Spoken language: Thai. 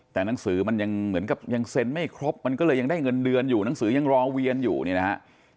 แต่หนังสือมันยังเหมือนกับยังเซ็นไม่ครบมันก็เลยยังได้เงินเดือนอยู่หนังสือยังรอเวียนอยู่เนี่ยนะฮะ